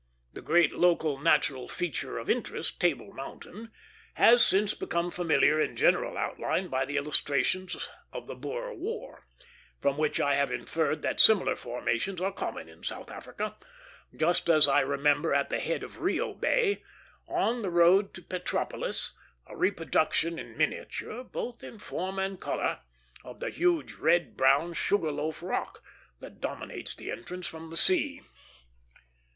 The great local natural feature of interest, Table Mountain, has since become familiar in general outline by the illustrations of the Boer War; from which I have inferred that similar formations are common in South Africa, just as I remember at the head of Rio Bay, on the road to Petropolis, a reproduction in miniature, both in form and color, of the huge red brown Sugar Loaf Rock that dominates the entrance from the sea.